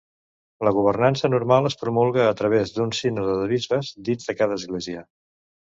La governança normal es promulga a través d'un sínode de bisbes dins de cada església.